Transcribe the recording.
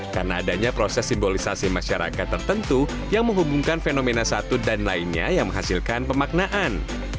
karena adanya proses simbolisasi masyarakat tertentu yang menghubungkan fenomena satu dan lainnya yang menghasilkan pemaknaan